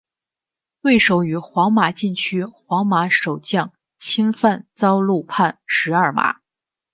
对手于皇马禁区皇马守将侵犯遭漏判十二码。